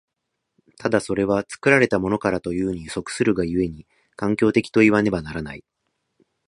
ただそれは作られたものからというに即するが故に、環境的といわねばならない。